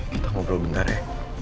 kita ngobrol bentar ya